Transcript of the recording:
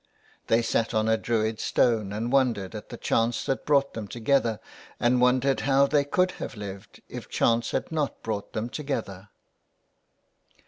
They sat on a druid stone and wondered at the chance that brought them together, and wondered how they could have lived if chance had not brought them together.